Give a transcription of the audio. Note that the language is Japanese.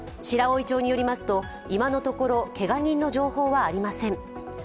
白老町によりますと、今のところけが人の情報はありません。